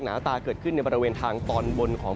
หนาตาเกิดขึ้นในบริเวณทางตอนบนของ